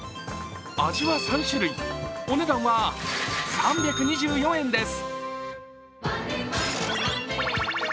味は３種類、お値段は３２４円です。